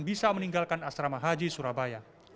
bisa meninggalkan asrama haji surabaya